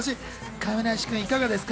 亀梨君、いかがですか？